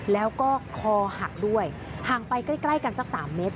แล้วก็คอหักด้วยห่างไปใกล้กันสัก๓เมตร